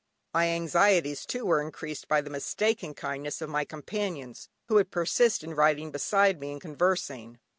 My anxieties, too, were increased by the mistaken kindness of my companions, who would persist in riding beside me and conversing.